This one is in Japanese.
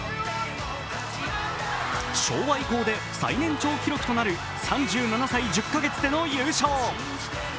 昭和以降で最年長記録となる３７歳１０か月での優勝。